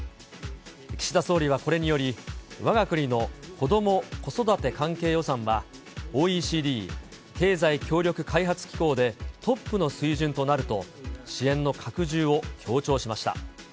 岸田総理はこれにより、わが国のこども子育て関係予算は、ＯＥＣＤ・経済協力開発機構でトップの水準となると、支援の拡充を強調しました。